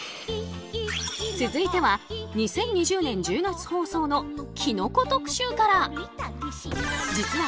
続いては２０２０年１０月放送のキノコ特集から！